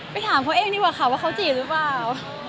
ถามเขาเองดีกว่าค่ะว่าเขาจีบหรือเปล่า